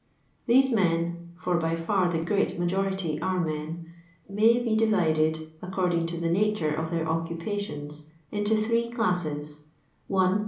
Thibb men, for by &r the gteat majority are men, may be divided, according to the nature of their occnpationi, into three rliiiri :— 1.